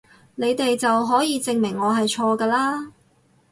你哋就可以證明我係錯㗎嘞！